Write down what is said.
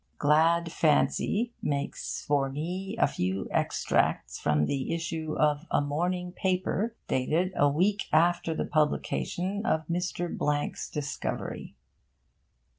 Glad fancy makes for me a few extracts from the issue of a morning paper dated a week after the publication of Mr. Blank's discovery.